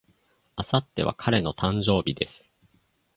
明後日は彼の誕生日です。